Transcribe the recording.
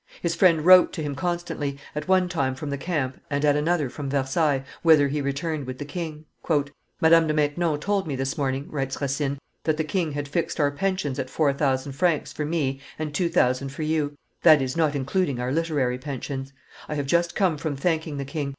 His friend wrote to, him constantly, at one time from the camp and at another from Versailles, whither he returned with the king. "Madame de Maintenon told me, this, morning," writes Racine, "that the king had fixed our pensions at four thousand francs for me and two thousand for you: that is, not including our literary pensions. I have just come from thanking the king.